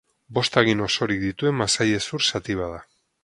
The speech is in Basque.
Bost hagin osorik dituen masailezur zati bat da.